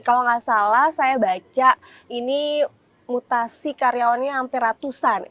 kalau nggak salah saya baca ini mutasi karyawannya hampir ratusan